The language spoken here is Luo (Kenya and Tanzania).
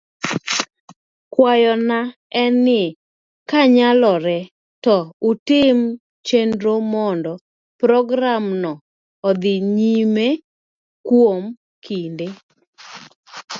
Akwayo na en ni kanyalore to utim chenro mondo programno odhi nyime kuom kinde